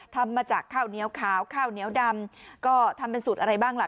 ทำมาจากข้าวเหนียวขาวข้าวเหนียวดำก็ทำเป็นสูตรอะไรบ้างล่ะ